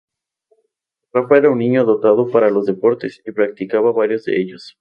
Rafa era un niño dotado para los deportes y practicaba varios de ellos.